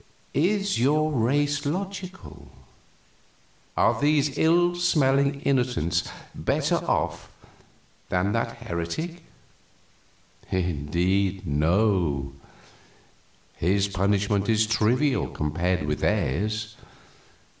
Is your race logical? Are these ill smelling innocents better off than that heretic? Indeed, no; his punishment is trivial compared with theirs.